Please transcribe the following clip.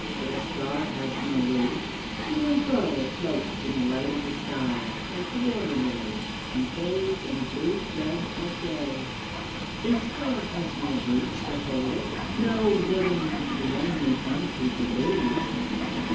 'But a star has no roots : to and fro It floats in the light of the sky, like a wat«r ]ily. And fades on the blue flood of day. A star has do roots to hold it, No living lonely entity to lose.